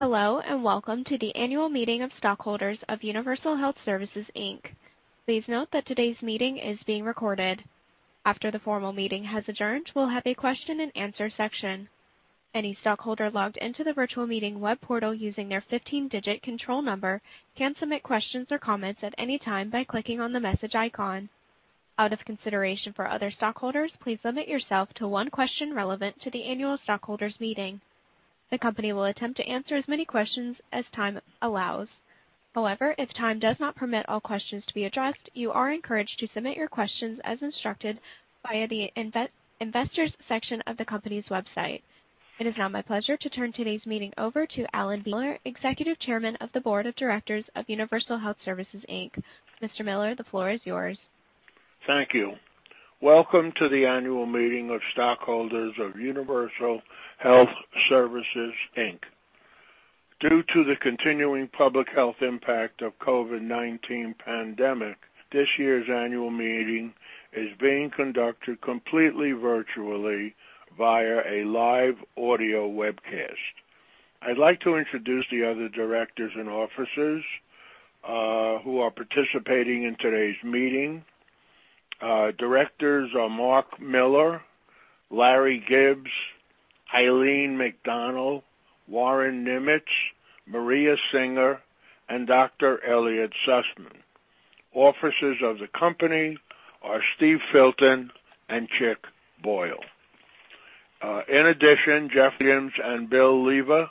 Hello, and welcome to the annual meeting of stockholders of Universal Health Services, Inc. Please note that today's meeting is being recorded. After the formal meeting has adjourned, we'll have a question and answer section. Any stockholder logged into the virtual meeting web portal using their 15-digit control number can submit questions or comments at any time by clicking on the message icon. Out of consideration for other stockholders, please limit yourself to one question relevant to the annual stockholders meeting. The company will attempt to answer as many questions as time allows. However, if time does not permit all questions to be addressed, you are encouraged to submit your questions as instructed via the investors section of the company's website. It is now my pleasure to turn today's meeting over to Alan Miller, Executive Chairman of the Board of Directors of Universal Health Services, Inc. Mr. Miller, the floor is yours. Thank you. Welcome to the annual meeting of stockholders of Universal Health Services, Inc. Due to the continuing public health impact of COVID-19 pandemic, this year's annual meeting is being conducted completely virtually via a live audio webcast. I'd like to introduce the other directors and officers who are participating in today's meeting. Directors are Marc Miller, Larry Gibbs, Eileen McDonough, Warren Nimetz, Maria Singer, and Dr. Elliot Sussman. Officers of the company are Steve Filton and Chick Boyle. In addition, Jeff Williams and Bill Lever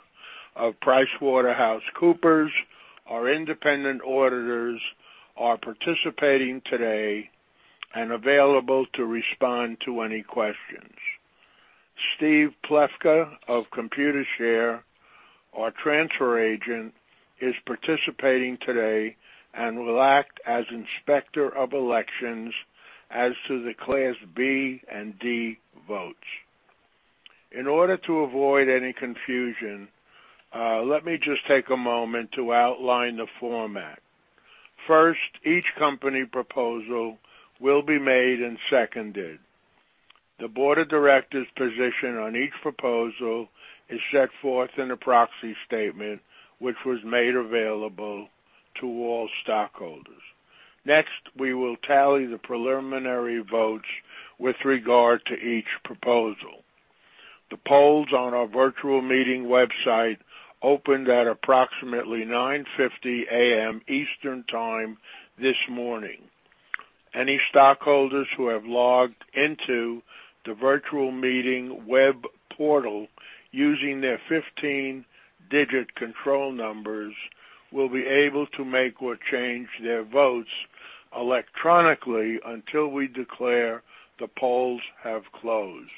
of PricewaterhouseCoopers, our independent auditors, are participating today and available to respond to any questions. Steve Plefka of Computershare, our transfer agent, is participating today and will act as Inspector of Elections as to the Class B and D votes. In order to avoid any confusion, let me just take a moment to outline the format. First, each company proposal will be made and seconded. The Board of Directors' position on each proposal is set forth in the proxy statement, which was made available to all stockholders. Next, we will tally the preliminary votes with regard to each proposal. The polls on our virtual meeting website opened at approximately 9:50 A.M. Eastern Time this morning. Any stockholders who have logged into the virtual meeting web portal using their 15-digit control numbers will be able to make or change their votes electronically until we declare the polls have closed.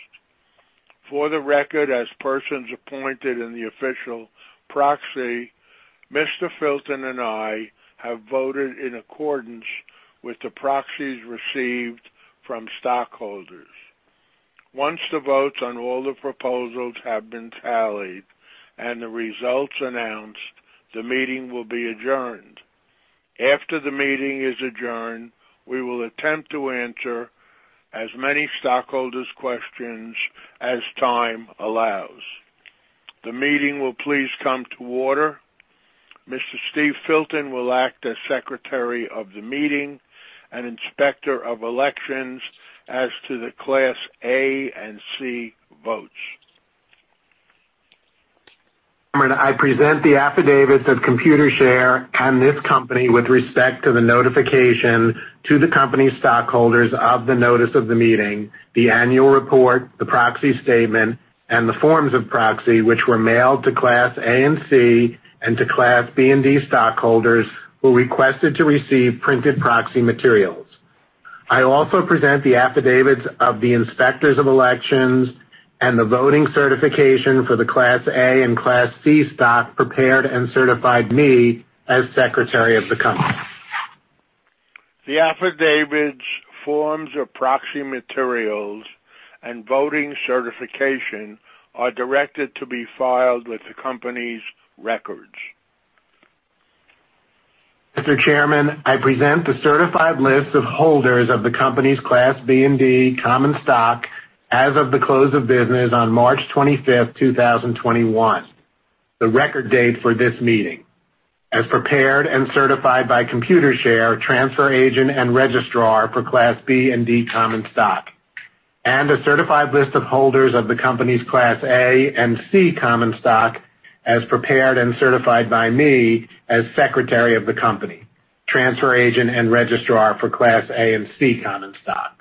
For the record, as persons appointed in the official proxy, Mr. Filton and I have voted in accordance with the proxies received from stockholders. Once the votes on all the proposals have been tallied and the results announced, the meeting will be adjourned. After the meeting is adjourned, we will attempt to answer as many stockholders' questions as time allows. The meeting will please come to order. Mr. Steve Filton will act as Secretary of the meeting and Inspector of Elections as to the Class A and Class C votes. I present the affidavits of Computershare and this company with respect to the notification to the company's stockholders of the notice of the meeting, the annual report, the proxy statement, and the forms of proxy, which were mailed to Class A and Class C and to Class B and Class D stockholders who requested to receive printed proxy materials. I also present the affidavits of the Inspectors of Elections and the voting certification for the Class A and Class C stock prepared and certified me as Secretary of the company. The affidavits, forms of proxy materials, and voting certification are directed to be filed with the company's records. Mr. Chairman, I present the certified lists of holders of the company's Class B and D common stock as of the close of business on March 25th, 2021, the record date for this meeting, as prepared and certified by Computershare, transfer agent and registrar for Class B and D common stock, and a certified list of holders of the company's Class A and C common stock as prepared and certified by me as Secretary of the company, transfer agent and registrar for Class A and C common stock.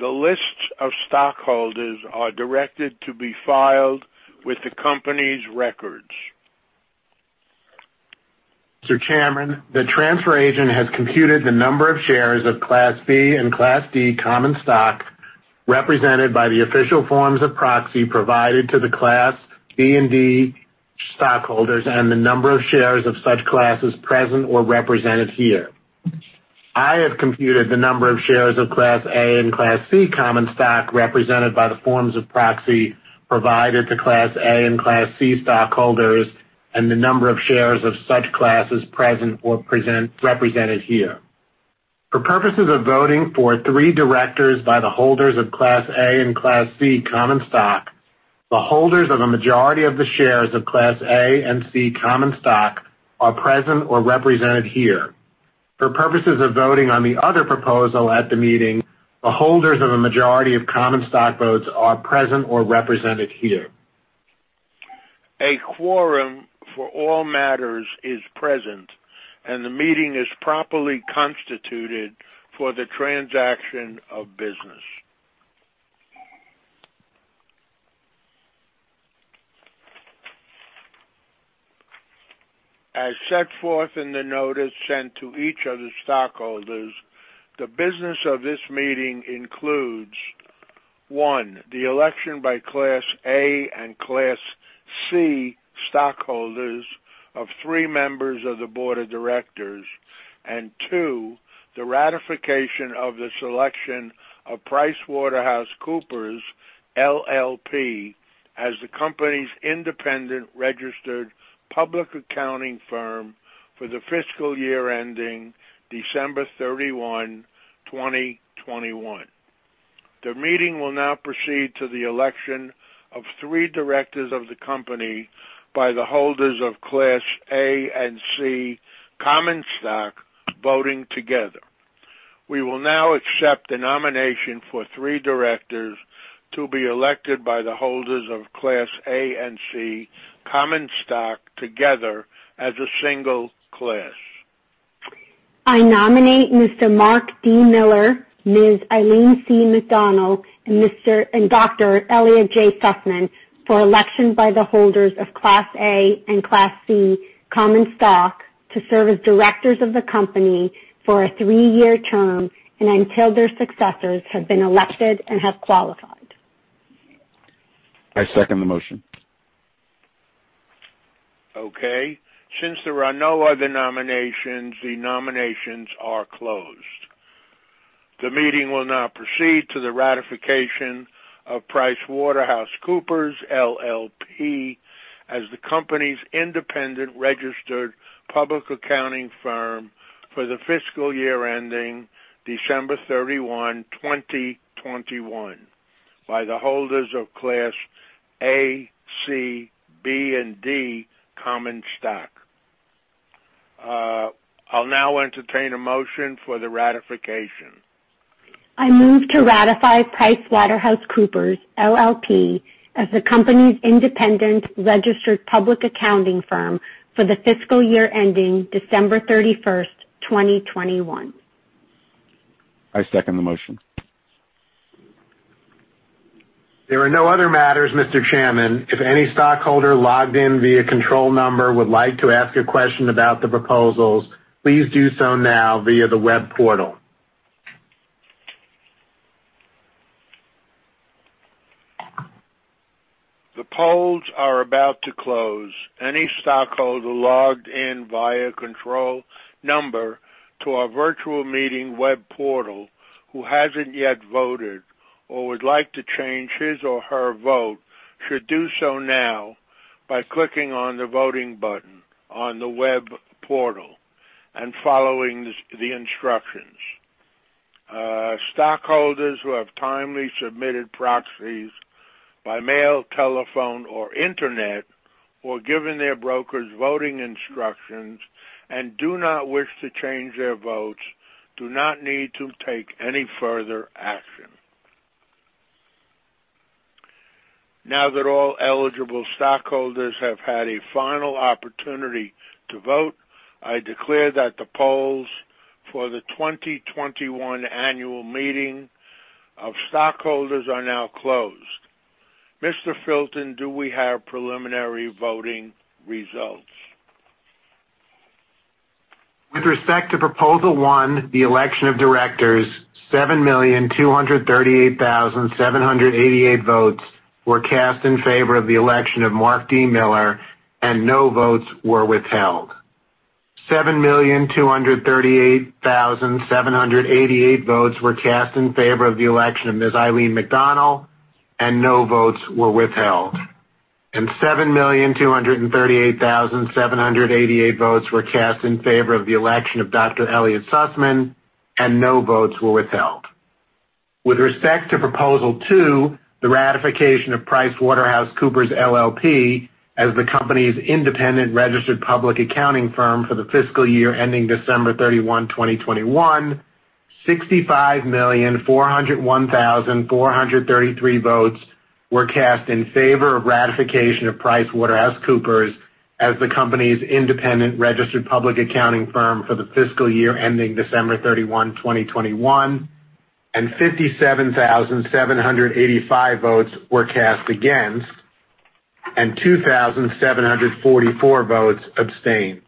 The lists of stockholders are directed to be filed with the company's records. Mr. Chairman, the transfer agent has computed the number of shares of Class B and Class D common stock represented by the official forms of proxy provided to the Class B and D stockholders and the number of shares of such classes present or represented here. I have computed the number of shares of Class A and Class C common stock represented by the forms of proxy provided to Class A and Class C stockholders and the number of shares of such classes present or represented here. For purposes of voting for three directors by the holders of Class A and Class C common stock, the holders of a majority of the shares of Class A and C common stock are present or represented here. For purposes of voting on the other proposal at the meeting, the holders of a majority of common stock votes are present or represented here. A quorum for all matters is present, and the meeting is properly constituted for the transaction of business. As set forth in the notice sent to each of the stockholders, the business of this meeting includes, one, the election by Class A and Class C stockholders of three members of the board of directors, and two, the ratification of the selection of PricewaterhouseCoopers LLP as the company's independent registered public accounting firm for the fiscal year ending December 31, 2021. The meeting will now proceed to the election of three directors of the company by the holders of Class A and C common stock voting together. We will now accept the nomination for three directors to be elected by the holders of Class A and C common stock together as a single class. I nominate Mr. Marc D. Miller, Ms. Eileen C. McDonnell, and Dr. Elliot J. Sussman for election by the holders of Class A and Class C common stock to serve as directors of the company for a three-year term and until their successors have been elected and have qualified. I second the motion. Okay. Since there are no other nominations, the nominations are closed. The meeting will now proceed to the ratification of PricewaterhouseCoopers LLP as the company's independent registered public accounting firm for the fiscal year ending December 31, 2021, by the holders of Class A, C, B, and D common stock. I'll now entertain a motion for the ratification. I move to ratify PricewaterhouseCoopers LLP as the company's independent registered public accounting firm for the fiscal year ending December 31st, 2021. I second the motion. There are no other matters, Mr. Chairman. If any stockholder logged in via control number would like to ask a question about the proposals, please do so now via the web portal. The polls are about to close. Any stockholder logged in via control number to our virtual meeting web portal who hasn't yet voted or would like to change his or her vote should do so now by clicking on the voting button on the web portal and following the instructions. Stockholders who have timely submitted proxies by mail, telephone, or internet or given their brokers voting instructions and do not wish to change their votes do not need to take any further action. Now that all eligible stockholders have had a final opportunity to vote, I declare that the polls for the 2021 annual meeting of stockholders are now closed. Mr. Filton, do we have preliminary voting results? With respect to Proposal One, the election of directors, 7,238,788 votes were cast in favor of the election of Marc D. Miller, and no votes were withheld. 7,238,788 votes were cast in favor of the election of Ms. Eileen C. McDonnell, and no votes were withheld. 7,238,788 votes were cast in favor of the election of Dr. Elliot J. Sussman, and no votes were withheld. With respect to Proposal Two, the ratification of PricewaterhouseCoopers LLP as the company's independent registered public accounting firm for the fiscal year ending December 31, 2021, 65,401,433 votes were cast in favor of ratification of PricewaterhouseCoopers as the company's independent registered public accounting firm for the fiscal year ending December 31, 2021, and 57,785 votes were cast against, and 2,744 votes abstained.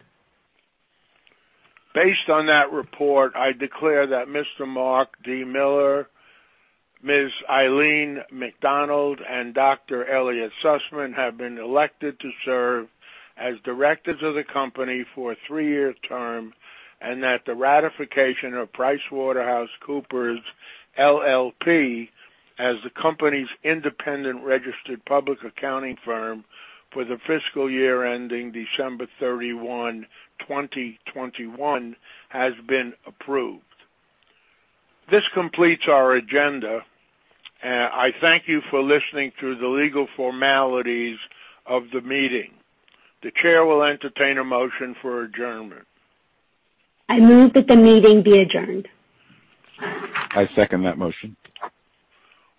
Based on that report, I declare that Mr. Marc D. Miller, Ms. Eileen C. McDonnell, and Dr. Elliot J. Sussman have been elected to serve as directors of the company for a three-year term and that the ratification of PricewaterhouseCoopers LLP as the company's independent registered public accounting firm for the fiscal year ending December 31, 2021, has been approved. This completes our agenda. I thank you for listening through the legal formalities of the meeting. The chair will entertain a motion for adjournment. I move that the meeting be adjourned. I second that motion.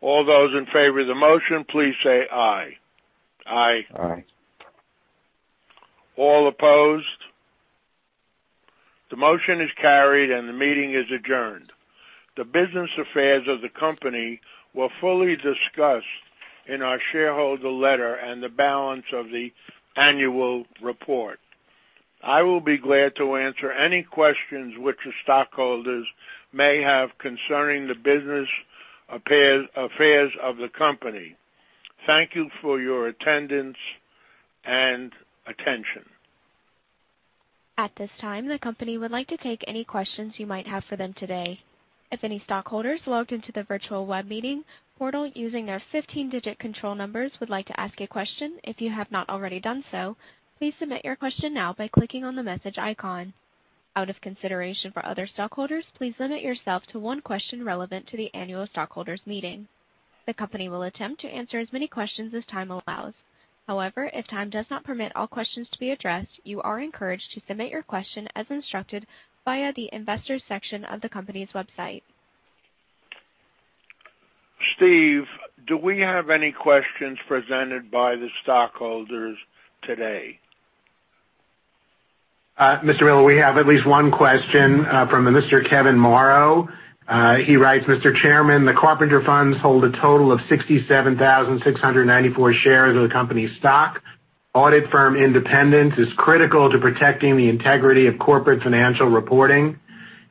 All those in favor of the motion, please say aye. Aye. Aye. Aye. All opposed? The motion is carried, and the meeting is adjourned. The business affairs of the company were fully discussed in our shareholder letter and the balance of the annual report. I will be glad to answer any questions which the stockholders may have concerning the business affairs of the company. Thank you for your attendance and attention. At this time, the company would like to take any questions you might have for them today. If any stockholders logged into the virtual web meeting portal using their 15-digit control numbers would like to ask a question, if you have not already done so, please submit your question now by clicking on the message icon. Out of consideration for other stockholders, please limit yourself to one question relevant to the annual stockholders meeting. The company will attempt to answer as many questions as time allows. However, if time does not permit all questions to be addressed, you are encouraged to submit your question as instructed via the Investors section of the company's website. Steve, do we have any questions presented by the stockholders today? Mr. Rowe, we have at least one question from a Mr. Kevin Morrow. He writes, "Mr. Chairman, the Carpenter Funds hold a total of 67,694 shares of the company stock. Audit firm independence is critical to protecting the integrity of corporate financial reporting.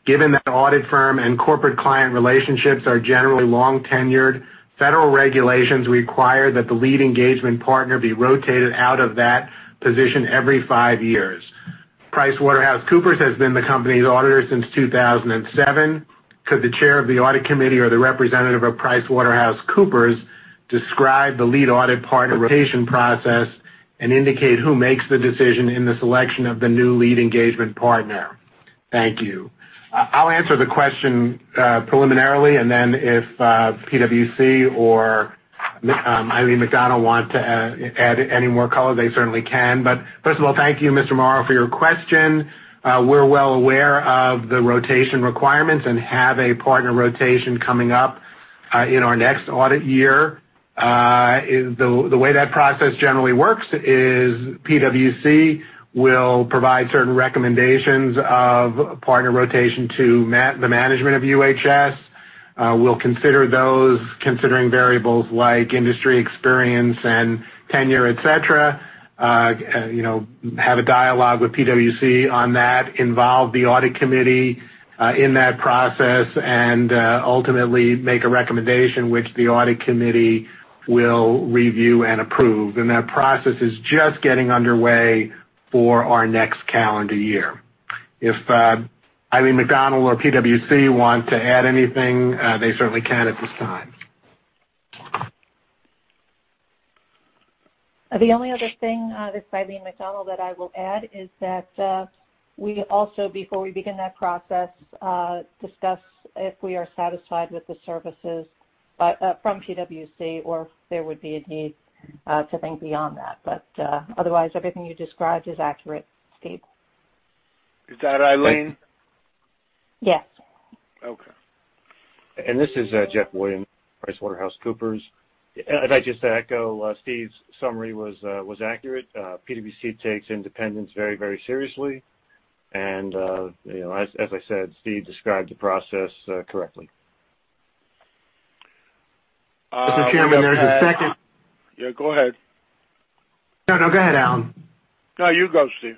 Given that audit firm and corporate client relationships are generally long-tenured, federal regulations require that the lead engagement partner be rotated out of that position every five years. PricewaterhouseCoopers has been the company's auditor since 2007. Could the chair of the audit committee or the representative of PricewaterhouseCoopers describe the lead audit partner rotation process and indicate who makes the decision in the selection of the new lead engagement partner? Thank you." I'll answer the question preliminarily, and then if PwC or Eileen C. McDonnell wants to add any more color, they certainly can. First of all, thank you, Mr. Morrow, for your question. We're well aware of the rotation requirements and have a partner rotation coming up in our next audit year. The way that process generally works is PwC will provide certain recommendations of partner rotation to the management of UHS. We'll consider those, considering variables like industry experience and tenure, et cetera, have a dialogue with PwC on that, involve the audit committee in that process, and ultimately make a recommendation, which the audit committee will review and approve. That process is just getting underway for our next calendar year. If Eileen C. McDonnell or PwC want to add anything, they certainly can at this time. The only other thing, this is Eileen C. McDonnell, that I will add is that we also, before we begin that process, discuss if we are satisfied with the services from PwC or if there would be a need to think beyond that. Otherwise, everything you described is accurate, Steve. Is that Eileen? Yes. Okay. This is Jeff Williams, PricewaterhouseCoopers. I'd like just to echo Steve's summary was accurate. PwC takes independence very seriously. As I said, Steve described the process correctly. Mr. Chairman. Yeah, go ahead. No, go ahead, Alan. No, you go, Steve.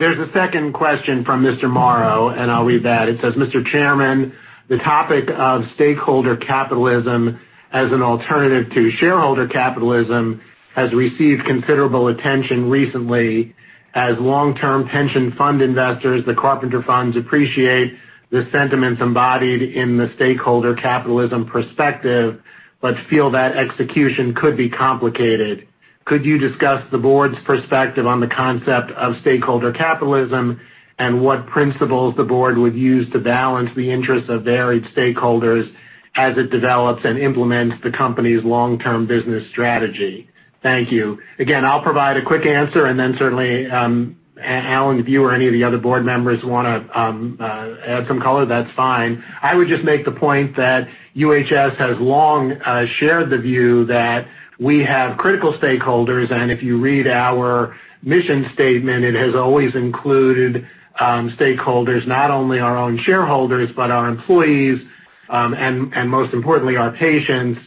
There's a second question from Mr. Morrow, and I'll read that. It says, "Mr. Chairman, the topic of stakeholder capitalism as an alternative to shareholder capitalism has received considerable attention recently. As long-term pension fund investors, the Carpenter Funds appreciate the sentiments embodied in the stakeholder capitalism perspective but feel that execution could be complicated. Could you discuss the board's perspective on the concept of stakeholder capitalism and what principles the board would use to balance the interests of varied stakeholders as it develops and implements the company's long-term business strategy? Thank you." Again, I'll provide a quick answer, and then certainly, Alan, if you or any of the other board members want to add some color, that's fine. I would just make the point that UHS has long shared the view that we have critical stakeholders, and if you read our mission statement, it has always included stakeholders, not only our own shareholders, but our employees, and most importantly, our patients.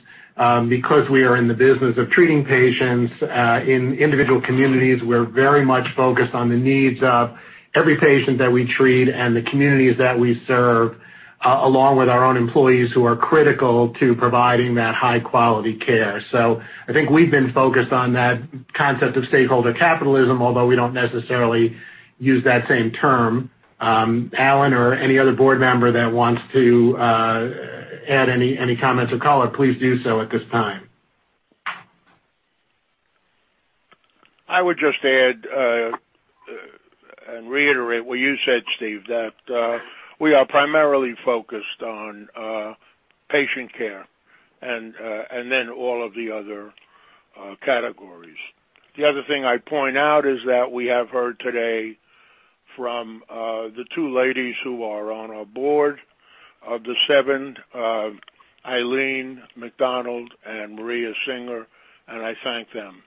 Because we are in the business of treating patients in individual communities, we're very much focused on the needs of every patient that we treat and the communities that we serve, along with our own employees who are critical to providing that high-quality care. I think we've been focused on that concept of stakeholder capitalism, although we don't necessarily use that same term. Alan or any other board member that wants to add any comments or color, please do so at this time. I would just add and reiterate what you said, Steve, that we are primarily focused on patient care and then all of the other categories. The other thing I'd point out is that we have heard today from the two ladies who are on our board, of the seven, Eileen C. McDonnell and Maria Singer, and I thank them.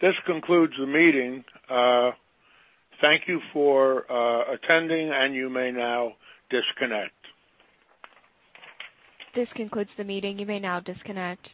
This concludes the meeting. Thank you for attending, and you may now disconnect. This concludes the meeting. You may now disconnect.